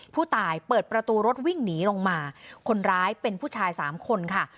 ผู้ตายเปิดประตูรถวิ่งหนีลงมาคนร้ายเป็นผู้ชายสามคนค่ะ